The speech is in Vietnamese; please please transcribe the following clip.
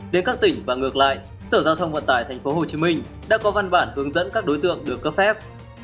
đến các tỉnh và ngược lại sở giao thông vận tải thành phố hồ chí minh đã có văn bản hướng dẫn các đối tượng được cấp phép